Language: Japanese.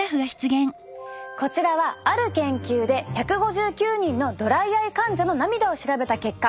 こちらはある研究で１５９人のドライアイ患者の涙を調べた結果。